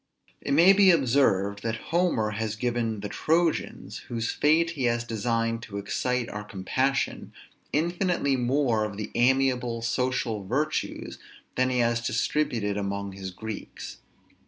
It may be observed, that Homer has given the Trojans, whose fate he has designed to excite our compassion, infinitely more of the amiable, social virtues than he has distributed among his Greeks.